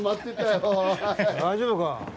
大丈夫か？